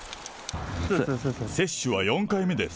接種は４回目です。